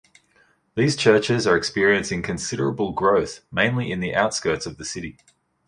These churches are experiencing considerable growth, mainly in the outskirts of the city.